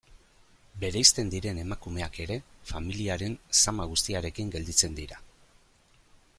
Bereizten diren emakumeak ere, familiaren zama guztiarekin gelditzen dira.